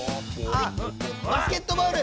あっバスケットボール！